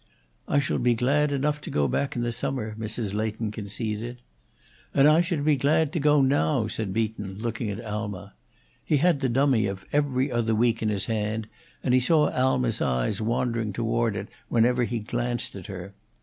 "I shall be glad enough to go back in the summer," Mrs. Leighton conceded. "And I should be glad to go now," said Beaton, looking at Alma. He had the dummy of 'Every Other Week' in his hand, and he saw Alma's eyes wandering toward it whenever he glanced at her.